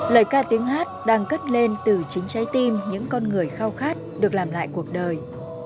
lời ca tiếng hát đang cất lên từ chính trái tim những con người khao khát được làm lại cuộc đời